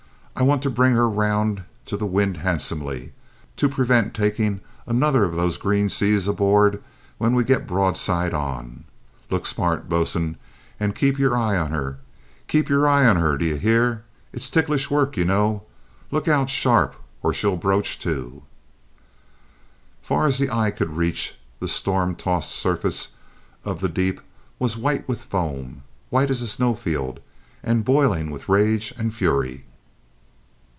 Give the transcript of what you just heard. I want to bring her round to the wind handsomely, to prevent taking in another of those green seas aboard when we get broadside on. Look smart, bo'sun, and keep your eye on her. Keep your eye on her, d'you hear? It's ticklish work, you know. Look out sharp or she'll broach to!" Far as the eye could reach, the storm tossed surface of the deep was white with foam, white as a snowfield, and boiling with rage and fury.